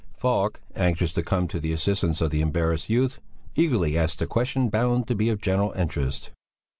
Falk, anxious to come to the assistance of the embarrassed youth, eagerly asked a question bound to be of general interest.